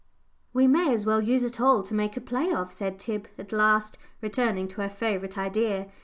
"We may as well use it all to make a play of," said Tib, at last, returning to her favourite idea.